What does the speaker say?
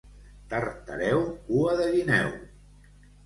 Tartareu, cua de guineu.